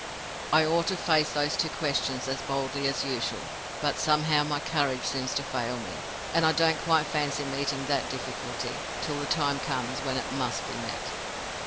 I ought to face those two questions as boldly as usual; but somehow my courage seems to fail me, and I don't quite fancy meeting that difficulty, till the time comes when it must be met.